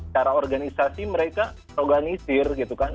cara organisasi mereka organisir gitu kan